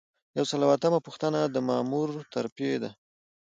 یو سل او اتمه پوښتنه د مامور ترفیع ده.